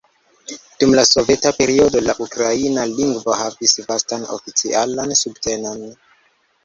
Dum la soveta periodo, la ukraina lingvo havis vastan oficialan subtenon.